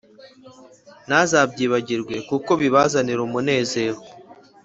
ntuzabyibagirwe, kuko bibazanira umunezero